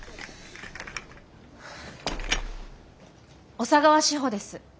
小佐川志穂です。